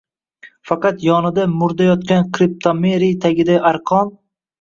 Faqat yonida murda yotgan kriptomeriy tagida arqon